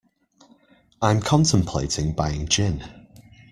I’m contemplating buying gin.